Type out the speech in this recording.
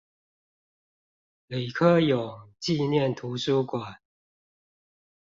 李科永紀念圖書館